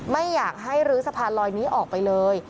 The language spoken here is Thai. ไม่อยากให้ลื้อสะพานลอยนี้ออกไปเลย